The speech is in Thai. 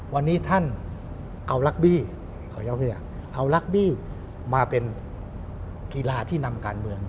วันนี้ท่านเอาลักบี้ขออนุญาตเอาลักบี้มาเป็นกีฬาที่นำการเมือง